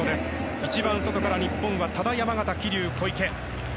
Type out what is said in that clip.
一番外から日本は多田、山縣、桐生、小池。